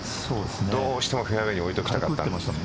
どうしてもフェアウェイに置いときたかった。